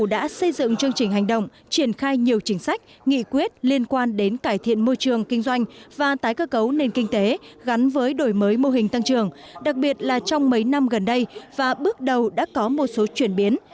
đã xây dựng chương trình hành động triển khai nhiều chính sách nghị quyết liên quan đến cải thiện môi trường kinh doanh và tái cơ cấu nền kinh tế gắn với đổi mới mô hình tăng trường đặc biệt là trong mấy năm gần đây và bước đầu đã có một số chuyển biến